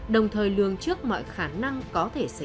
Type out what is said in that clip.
đồng thời lường trước mọi khả năng có thể xảy ra